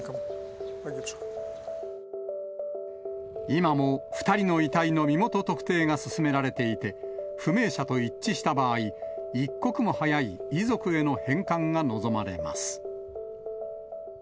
今も２人の遺体の身元特定が進められていて、不明者と一致した場合、一刻も早い遺族への返還が望まれます。